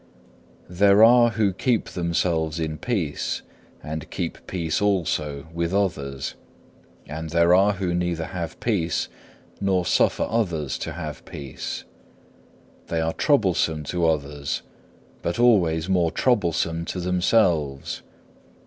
3. There are who keep themselves in peace and keep peace also with others, and there are who neither have peace nor suffer others to have peace; they are troublesome to others, but always more troublesome to themselves.